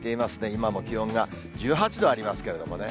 今も気温が１８度ありますけれどもね。